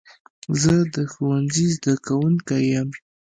زه د ښوونځي زده کوونکی یم.